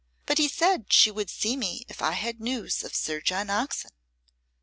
But he said she would see me if I had news of Sir John Oxon.